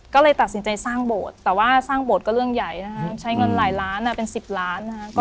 ก็เลยตัดสินใจสร้างโบสถ์แต่ว่าสร้างโบสถ์ก็เรื่องใหญ่นะฮะใช้เงินหลายล้านเป็น๑๐ล้านนะครับ